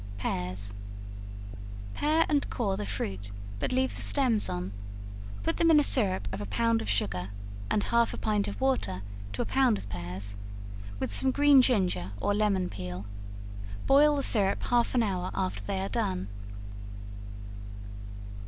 Pears. Pare and core the fruit, but leave the stems on; put them in a syrup of a pound of sugar, and a half a pint of water to a pound of pears, with some green ginger or lemon peel; boil the syrup half an hour after they are done.